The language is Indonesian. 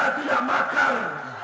tiasno tidak makar